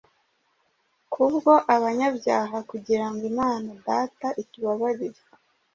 kubwo abanyabyaha kugirango imana data itubabarire